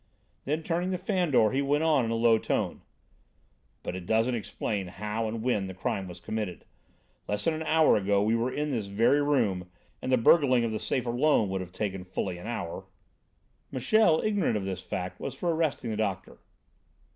Then, turning to Fandor, he went on in a low tone: "But it doesn't explain how and when the crime was committed. Less than an hour ago we were in this very room, and the burgling of the safe alone would take fully an hour." Michel, ignorant of this fact, was for arresting the doctor.